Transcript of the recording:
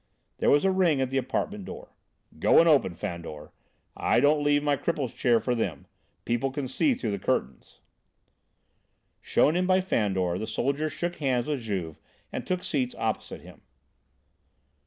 There was a ring at the apartment door. "Go and open, Fandor. I don't leave my cripple's chair for them; people can see through the curtains." Shown in by Fandor, the soldiers shook hands with Juve and took seats opposite him.